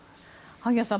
萩谷さん